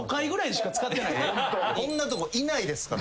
こんなとこいないですから。